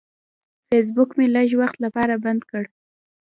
فیسبوک مې لږ وخت لپاره بند کړ.